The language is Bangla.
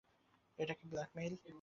এটা কি ব্ল্যাকমেইল?